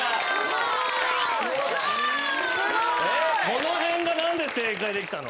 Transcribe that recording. この辺が何で正解できたの？